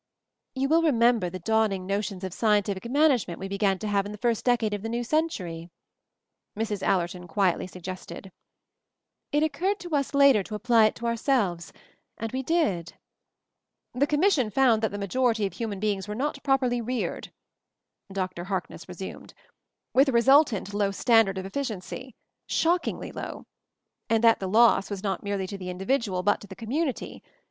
"You will remember the dawning notions of 'scientific management' we began to have in the first decade of the new century," Mrs. Allerton quietly suggested. "It occurred 128 MOVING THE MOUNTAIN to us later to apply it to ourselves — and we did." "The Commission found that the major ity of human beings were not properly reared," Dr. Harkness resumed, "with a resultant low standard of efficiency — shock ingly low ; and that the loss was not merely to the individual but to the community.